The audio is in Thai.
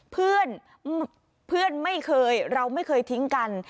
เพื่อนเพื่อนไม่เคยเราไม่เคยทิ้งกัน